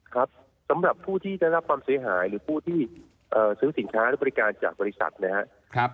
ครับสำหรับผู้ที่ได้รับความเสียหายหรือผู้ที่ซื้อสินค้าหรือบริการจากบริษัทนะครับ